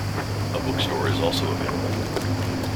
A bookstore is also available.